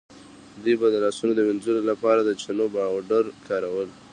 دوی به د لاسونو د وینځلو لپاره د چنو پاوډر کارول.